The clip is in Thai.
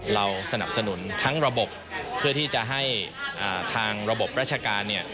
เราสนับสนุนทั้งระบบเพื่อที่จะให้ทางระบบราชการเนี่ย